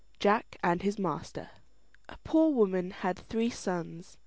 JACK AND HIS MASTER A poor woman had three sons.